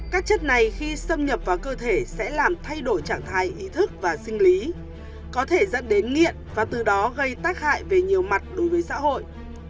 các chất này khi xâm nhập vào cơ thể sẽ làm thay đổi trạng thái ý thức và sinh lý có thể dẫn đến nghiện và từ đó gây tác hại về nhiều mặt đối với xã hội